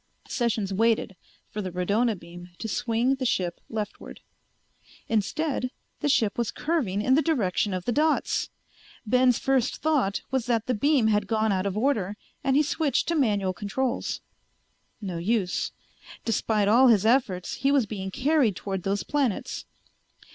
Sessions waited for the radona beam to swing the ship leftward. Instead, the ship was curving in the direction of the dots! Ben's first thought was that the beam had gone out of order, and he switched to manual controls. No use. Despite all his efforts he was being carried toward those planets.